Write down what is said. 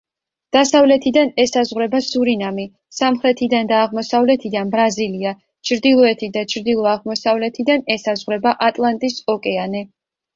დასავლეთიდან ესაზღვრება სურინამი, სამხრეთიდან და აღმოსავლეთიდან ბრაზილია, ჩრდილოეთით და ჩრდილო-აღმოსავლეთიდან ესაზღვრება ატლანტის ოკეანე.